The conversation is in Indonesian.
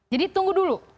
jadi tunggu dulu